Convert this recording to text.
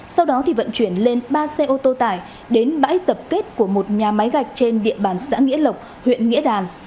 sau đó vận chuyển lên ba xe ô tô tải đến bãi tập kết của một nhà máy gạch trên địa bàn xã nghĩa lộc huyện nghĩa đàn